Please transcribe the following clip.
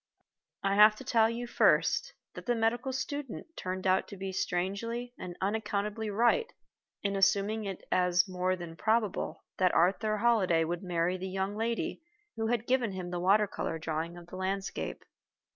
I have to tell you, first, that the medical student turned out to be strangely and unaccountably right in assuming it as more than probable that Arthur Holliday would marry the young lady who had given him the water color drawing of the landscape.